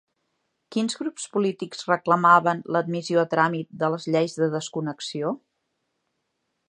Quins grups polítics reclamaven l'admissió a tràmit de les lleis de desconnexió?